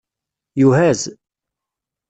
Yuhaz